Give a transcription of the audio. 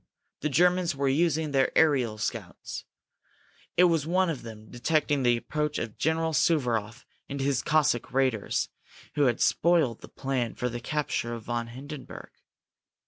The Germans were using their aerial scouts. It was one of them, detecting the approach of General Suvaroff and his Cossack raiders, who had spoiled the plan for the capture of von Hindenburg.